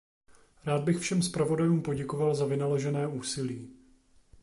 Rád bych všem zpravodajům poděkoval za vynaložené úsilí.